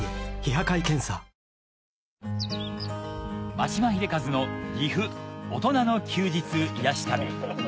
眞島秀和の岐阜大人の休日癒やし旅